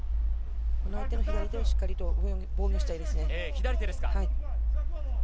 相手の左手をしっかり防御したいですね。